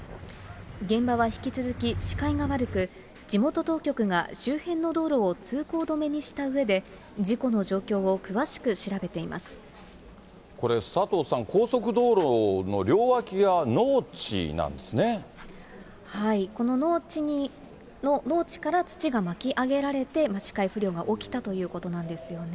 現場は引き続き視界が悪く、地元当局が周辺の道路を通行止めにしたうえで、事故の状況を詳しこれ、佐藤さん、はい、この農地から土がまきあげられて、視界不良が起きたということなんですよね。